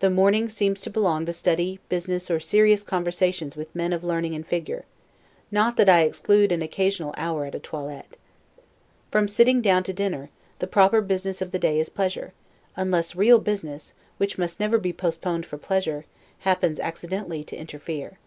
The morning seems to belong to study, business, or serious conversations with men of learning and figure; not that I exclude an occasional hour at a toilette. From sitting down to dinner, the proper business of the day is pleasure, unless real business, which must never be postponed for pleasure, happens accidentally to interfere.